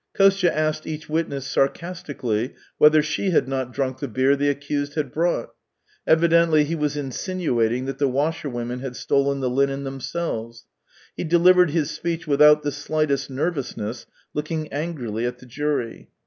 Kostya asked each witness sarcastic ally, whether she had not drunk the beer the accused had brought. Evidently he was insinu ating that the washerwomen had stolen the linen themselves. He delivered his speech without the slightest nervousness, looking angrily at the jury.